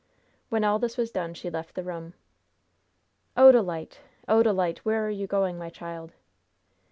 When all this was done she left the room. "Odalite! Odalite! where are you going, my child?"